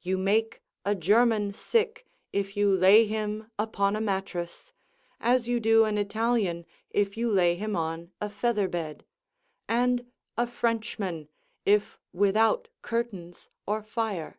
You make a German sick if you lay him upon a mattress, as you do an Italian if you lay him on a feather bed, and a Frenchman, if without curtains or fire.